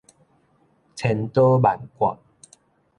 千刀萬割